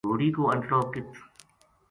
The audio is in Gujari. گھوڑی کو انٹڑو ک